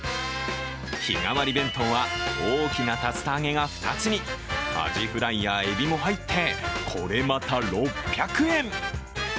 日替り弁当は、大きな竜田揚げが２つに、アジフライやエビも入ってこれまた６００円。